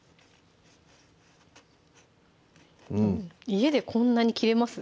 家でこんなに切れます？